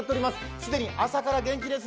既に朝から元気です。